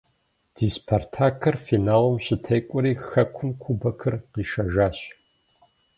Ди «Спартак»-ыр финалым щытекӏуэри хэкум кубокыр къишэжащ.